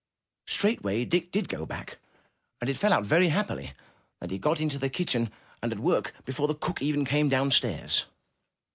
'* Straightway Dick did go back, and it fell out very happily that he got into the kitchen and at work, before the cook even came down stairs.